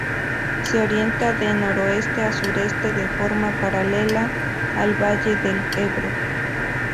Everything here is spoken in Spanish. Se orienta de noroeste a sureste, de forma paralela al valle del Ebro.